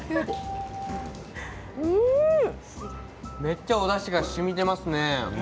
めっちゃおだしがしみてますね。